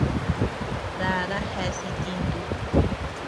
Dada jeas itintu.